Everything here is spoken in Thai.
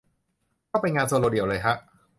ต้องเป็นงานโซโลเดี่ยวเลยฮะ